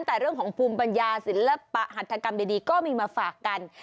แต่เรื่องของภูมิปัญญาศิลปหัฐกรรมดีก็มีมาฝากกัน